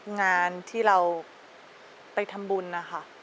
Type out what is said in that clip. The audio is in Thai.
งานที่เราไปทำบุญนะคะ